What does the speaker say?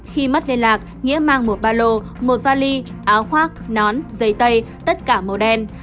khi mất liên lạc nghĩa mang một ba lô một vali áo khoác nón giấy tay tất cả màu đen